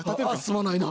すまないな。